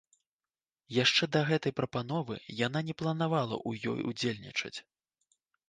Яшчэ да гэтай прапановы яна не планавала ў ёй удзельнічаць.